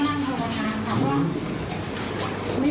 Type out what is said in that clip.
น้องถูกต้องเริ่มทางที่